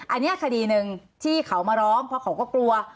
อันนี้คดีหนึ่งที่เขามาร้องเพราะเขาก็กลัว